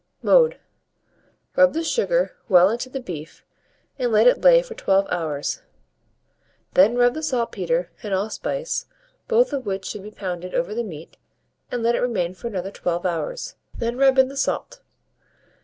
Mode. Rub the sugar well into the beef, and let it lay for 12 hours; then rub the saltpetre and allspice, both of which should be pounded, over the meat, and let it remain for another 12 hours; then rub in the salt.